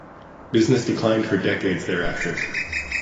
Business declined for decades thereafter.